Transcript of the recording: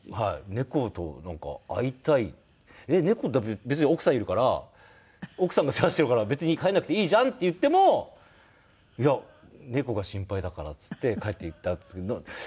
「猫と会いたい」「えっ猫？だって別に奥さんいるから奥さんが世話してるから別に帰らなくていいじゃん」って言っても「いや猫が心配だから」っつって帰っていったんですけど。